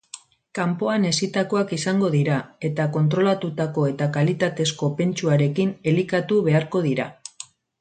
Kanpoan hezitakoak izango dira, eta kontrolatutako eta kalitatezko pentsuarekin elikatu beharko dira.